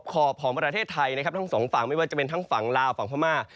ขอบของประเทศไทยนะครับทั้งสองฝั่งไม่ว่าจะเป็นทั้งฝั่งลาวฝั่งพม่า